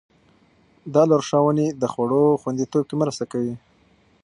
دا لارښوونې د خوړو خوندیتوب کې مرسته کوي.